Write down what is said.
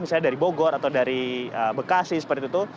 misalnya dari bogor atau dari bekasi seperti itu